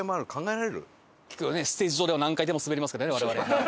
ステージ上では何回でもスベりますけどね我々。